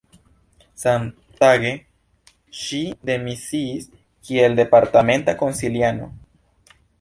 Samtage, ŝi demisiis kiel departementa konsiliano.